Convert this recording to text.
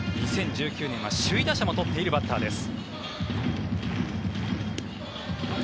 ２０１９年は首位打者も取っているバッターです。